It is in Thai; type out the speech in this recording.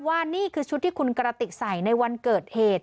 นี่คือชุดที่คุณกระติกใส่ในวันเกิดเหตุ